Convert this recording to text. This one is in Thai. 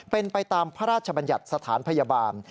เป็นไปตามพระราชบัญญัติสถานพยาบาล